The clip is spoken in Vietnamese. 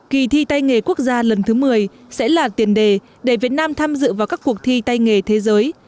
kỳ thi tay nghề quốc gia lần thứ một mươi sẽ là tiền đề để việt nam tham dự vào các cuộc thi tay nghề thế giới